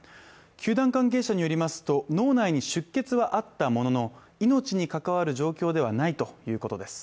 球団関係者によりますと脳内に出血はあったものの命に関わる状況ではないということです。